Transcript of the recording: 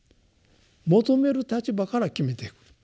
求める立場から決めていく。